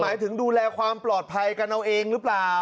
หมายถึงดูแลความปลอดภัยกันเอาเองหรือเปล่า